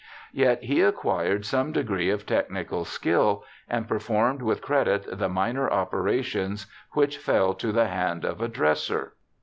Yet he acquired some degree of technical skill, and performed with credit the minor operations which fell to the hand of a dresser.